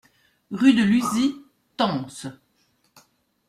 Rue de Luzy, Tence